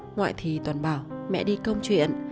ngoại thì toàn bảo mẹ đi công chuyện